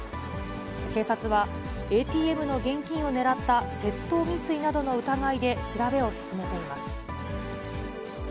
警察は、ＡＴＭの現金を狙った窃盗未遂などの疑いで調べを進めています。